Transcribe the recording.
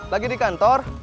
lagi di kantor